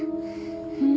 うん。